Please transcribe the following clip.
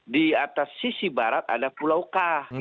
di atas sisi barat ada pulau k